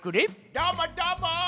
どーもどーも！